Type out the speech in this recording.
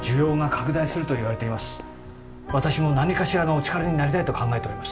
私も何かしらのお力になりたいと考えております。